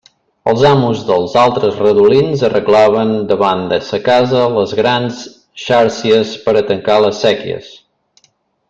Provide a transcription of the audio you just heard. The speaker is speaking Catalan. Els amos dels altres redolins arreglaven davant de sa casa les grans xàrcies per a tancar les séquies.